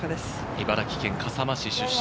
茨城県笠間市出身。